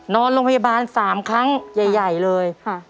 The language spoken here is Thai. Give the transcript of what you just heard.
นอนโรงพยาบาล๓ครั้งใหญ่เลย